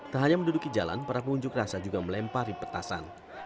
tak hanya menduduki jalan para pengunjuk rasa juga melempari petasan